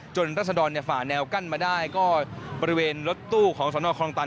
รัศดรฝ่าแนวกั้นมาได้ก็บริเวณรถตู้ของสนคลองตัน